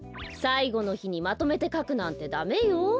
さいごのひにまとめてかくなんてダメよ。